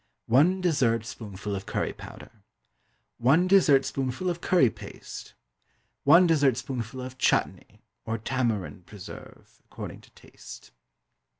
1 dessert spoonful of curry powder. 1 dessert spoonful of curry paste. 1 dessert spoonful of chutnee (or tamarind preserve, according to taste).